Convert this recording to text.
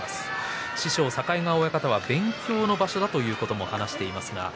師匠の境川親方は勉強の場所だということも話していました。